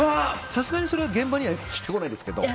さすがにそれは現場には着てこないですけど。